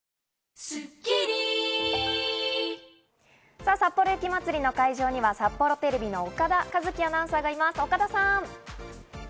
さっぽろ雪まつりの会場には、札幌テレビの岡田和樹アナウンサーがいます、岡田さん！